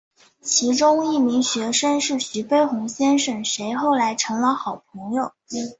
其中一名学生是徐悲鸿先生谁后来成了好朋友。